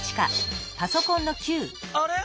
あれ？